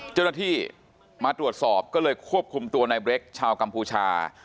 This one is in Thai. เจ้าหน้าที่มาตรวจสอบก็เลยควบคุมตัวในเบรกชาวกัมพูชา